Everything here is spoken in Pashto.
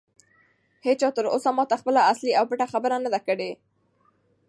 هیچا تر اوسه ماته خپله اصلي او پټه خبره نه ده کړې.